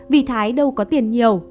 vì thái đâu có tiền nhiều